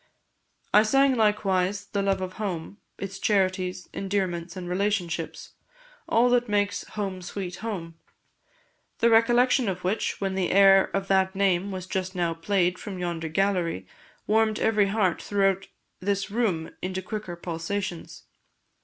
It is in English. I sang, likewise, the love of home its charities, endearments and relationships all that makes 'Home sweet Home,' the recollection of which, when the air of that name was just now played from yonder gallery, warmed every heart throughout this room into quicker pulsations.